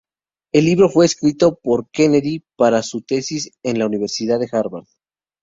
El libro fue escrito por Kennedy para su tesis en el Universidad de Harvard.